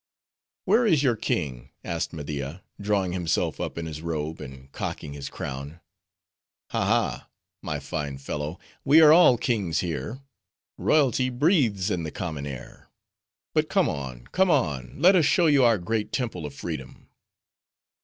"Where is your king?" asked Media, drawing himself up in his robe, and cocking his crown. "Ha, ha, my fine fellow! We are all kings here; royalty breathes in the common air. But come on, come on. Let us show you our great Temple of Freedom."